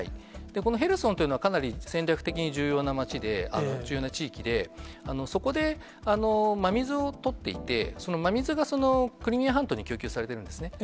このヘルソンというのは、かなり戦略的に重要な町で、重要な地域で、そこで真水を取っていて、その真水がクリミア半島に供給されてるんですね、